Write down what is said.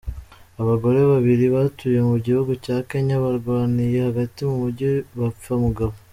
Abagore babiri batuye mu gihugu cya Kenya barwaniye hagati mu mujyi bapfa umugabo .